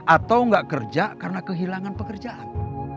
atau enggak kerja karena kehilangan pekerjaan